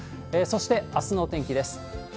そしてあすのお天気です。